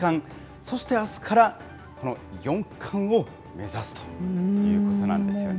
そしてあすから、この四冠を目指すということなんですよね。